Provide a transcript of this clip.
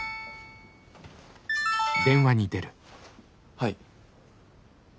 はい。